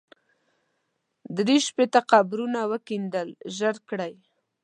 درې شپېته قبرونه وکېندئ ژر کړئ.